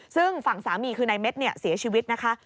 ซึ่งฝั่งสามีคือนายเม็ดเสียชีวิตนะคะ